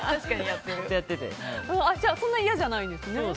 そんなに嫌じゃないんですね。